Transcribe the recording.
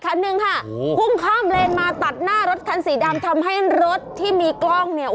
ครั้งหนึ่งค่ะฮู้เข้ามาตัดหน้ารถขานสีดำทำให้รถที่มีกล้องเนี่ย